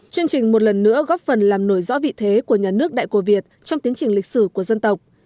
chương trình một lần nữa góp phần làm nổi rõ vị thế của nhà nước đại cô việt trong tiến trình lịch sử của dân tộc